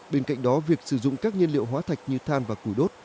bên cạnh đó việc sử dụng các nhiên liệu hóa thạch như than và củi đốt